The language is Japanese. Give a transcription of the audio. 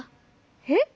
えっ？